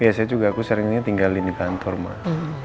ya saya juga sering tinggalin dikantor mas